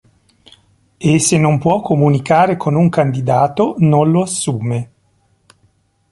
E se non può comunicare con un candidato, non lo assume".